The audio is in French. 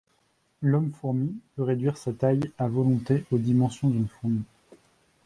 L'Homme-Fourmi peut réduire sa taille à volonté aux dimensions d'une fourmi.